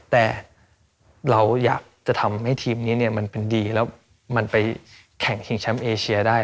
แต่เราอยากจะทำให้ทีมนี้เนี่ยมันเป็นดีแล้วมันไปแข่งชิงแชมป์เอเชียได้